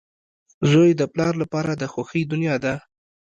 • زوی د پلار لپاره د خوښۍ دنیا ده.